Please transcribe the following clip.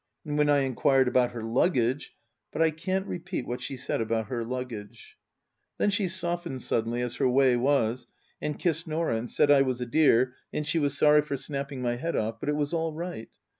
And when I inquired about her luggage But I can't repeat what she said about her luggage ! Then she softened suddenly, as her way was, and kissed Norah, and said I was a dear, and she was sorry for snapping my head off, but it was all right.